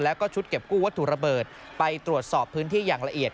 แล้วก็ชุดเก็บกู้วัตถุระเบิดไปตรวจสอบพื้นที่อย่างละเอียด